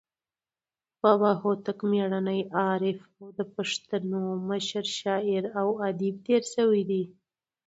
بابا هوتک میړنى، عارف او د پښتو مشر شاعر او ادیب تیر سوى دئ.